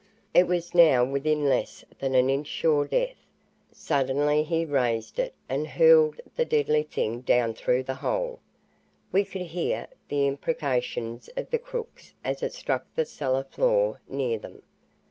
It was now within less than an inch sure death. Suddenly he raised it and hurled the deadly thing down through the hole. We could hear the imprecations of the crooks as it struck the cellar floor, near them.